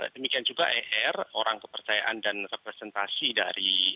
demikian juga er orang kepercayaan dan representasi dari